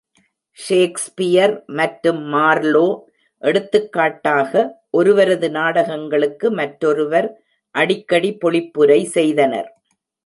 Shakespeare மற்றும் Marlowe, எடுத்துக்காட்டாக, ஒருவரது நாடகங்களுக்கு மற்றொருவர் அடிக்கடி பொழிப்புரை செய்தனர்.